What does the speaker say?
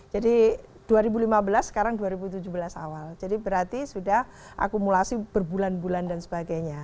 jadi dua ribu lima belas sekarang dua ribu tujuh belas awal jadi berarti sudah akumulasi berbulan bulan dan sebagainya